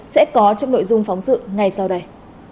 sẽ có trong nội dung phóng sự ngay sau đây